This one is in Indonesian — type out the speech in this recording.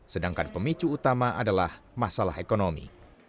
sedangkan pemicu utama adalah masalah ekonomi